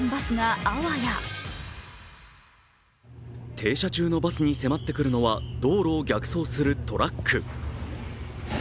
停車中のバスに迫ってくるのは道路を逆走するトラック。